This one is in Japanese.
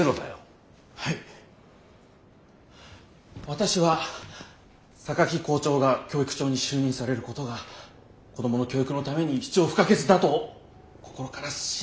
私は榊校長が教育長に就任されることが子供の教育のために必要不可欠だと心から信じておりますから。